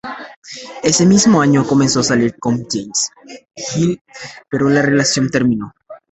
Ese mismo año, comenzó a salir con James Hill, pero la relación terminó.